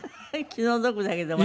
気の毒だけどもね。